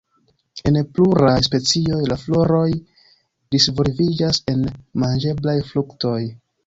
En pluraj specioj, la floroj disvolviĝas en manĝeblaj fruktoj.